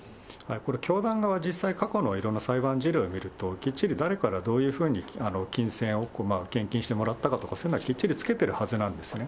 これ、教団側、実際、過去のいろんな裁判事例を見ると、きっちり誰からどういうふうに金銭を献金してもらったかとか、そういうのはきっちりつけてるはずなんですね。